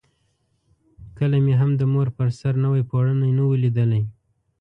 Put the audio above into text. کله مې هم د مور پر سر نوی پوړونی نه وو لیدلی.